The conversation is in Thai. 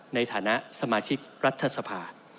ในฐานะสมาชิกรัฐสภา